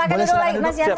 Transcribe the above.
boleh silahkan dulu mas yasa